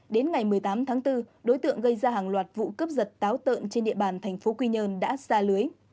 đến ngày một mươi tám tháng bốn đối tượng gây ra hàng loạt vụ cướp giật táo tợn trên địa bàn thành phố quy nhơn đã xa lưới